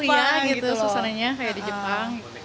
baru ya gitu suasananya kayak di jepang